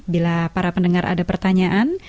bila para pendengar ada pertanyaan